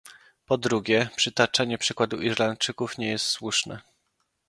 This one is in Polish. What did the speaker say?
Po drugie, przytaczanie przykładu Irlandczyków nie jest słuszne